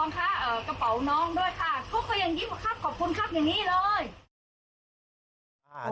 พวกเขายังยิ้มขอบคุณครับอย่างนี้เลย